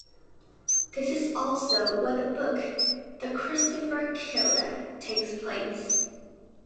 This is also where the book "The Christopher Killer" takes place.